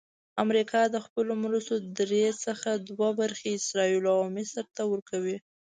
امریکا د خپلو مرستو درې څخه دوه برخې اسراییلو او مصر ته ورکوي.